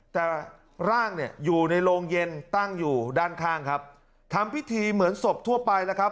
แต่ร่างเนี่ยอยู่ในโรงเย็นตั้งอยู่ด้านข้างครับทำพิธีเหมือนศพทั่วไปแล้วครับ